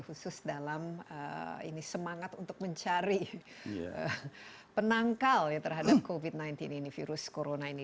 khusus dalam semangat untuk mencari penangkal terhadap covid sembilan belas ini virus corona ini